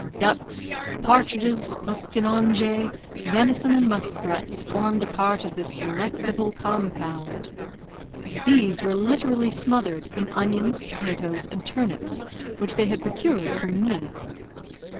Ducks, partridges, muskinonge, venison, and muskrats, formed a part of this delectable compound. These were literally smothered in onions, potatoes, and turnips, which they had procured from me.